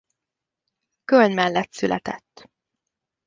Köln mellett született.